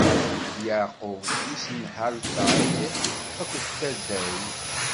D Yeɛqub, mmi-s n Ḥalfay akked Taday.